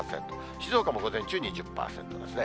静岡も午前中２０％ですね。